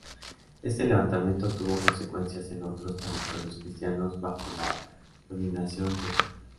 Este levantamiento tuvo consecuencias en otros territorios cristianos bajo la dominación turca.